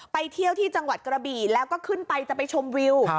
ไปเที่ยวที่จังหวัดกระบี่แล้วก็ขึ้นไปจะไปชมวิว